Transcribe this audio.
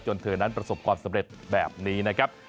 เธอนั้นประสบความสำเร็จแบบนี้นะครับ